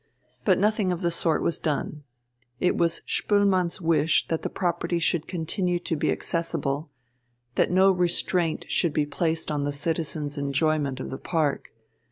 But nothing of the sort was done. It was Spoelmann's wish that the property should continue to be accessible, that no restraint should be placed on the citizens' enjoyment of the park.